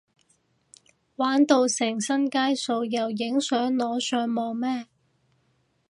玩到成身街數又影相擺上網咩？